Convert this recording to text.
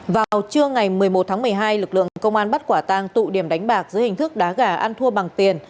vào trưa ngày một mươi một tháng một mươi hai lực lượng công an bắt quả tang tụ điểm đánh bạc dưới hình thức đá gà ăn thua bằng tiền